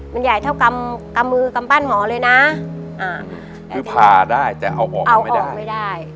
มันใหญ่เท่ากับมือกับปั้นหมอเลยนะคือผ่าได้แต่เอาออกไม่ได้